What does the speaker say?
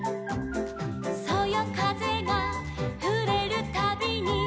「そよかぜがふれるたびに」